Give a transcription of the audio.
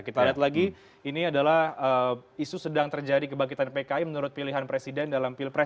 kita lihat lagi ini adalah isu sedang terjadi kebangkitan pki menurut pilihan presiden dalam pilpres dua ribu sembilan